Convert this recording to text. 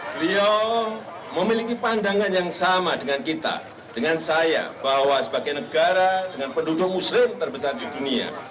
beliau memiliki pandangan yang sama dengan kita dengan saya bahwa sebagai negara dengan penduduk muslim terbesar di dunia